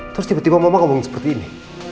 terus tiba tiba mama ngomong seperti ini